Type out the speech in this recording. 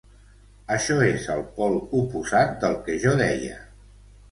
Això és el pol oposat del que jo deia.